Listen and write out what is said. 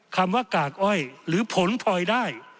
คำว่ากากอ้อยหรือผลพลอยได้